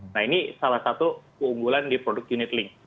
nah ini salah satu keunggulan di produk unitlink